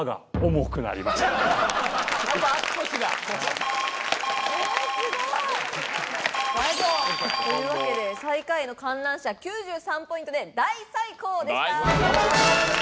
やっぱ足腰が。というわけで最下位の観覧車９３ポイントで大最高でした。